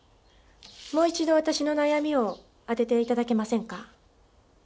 もう一度私の悩みを当てて頂けませんか？